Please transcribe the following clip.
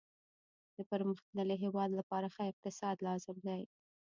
د پرمختللي هیواد لپاره ښه اقتصاد لازم دی